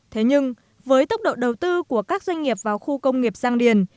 thế nhưng với tốc độ đầu tư của các doanh nghiệp vào khu công nghiệp giang điền